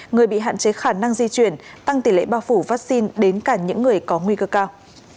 người bị hạn chế khả năng di chuyển tăng tỷ lệ bao phủ vaccine đến cả những người có nguy cơ cao